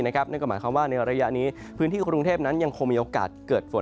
นั่นก็หมายความว่าในระยะนี้พื้นที่กรุงเทพนั้นยังคงมีโอกาสเกิดฝน